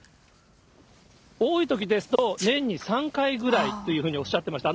多いときですと、年に３回ぐらいというふうにおっしゃってました。